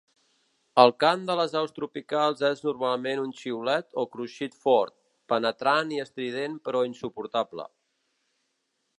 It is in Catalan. El cant de les aus tropicals és normalment un xiulet o cruixit fort, penetrant i estrident però insuportable.